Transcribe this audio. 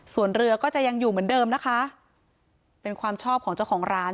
ส่วนเรือก็จะยังอยู่เหมือนเดิมนะคะเป็นความชอบของเจ้าของร้าน